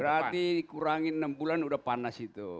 berarti kurangin enam bulan udah panas itu